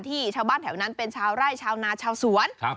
ชาวบ้านแถวนั้นเป็นชาวไร่ชาวนาชาวสวนครับ